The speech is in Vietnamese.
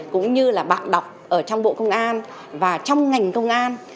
cũng như là bạn đọc ở trong bộ công an và trong ngành công an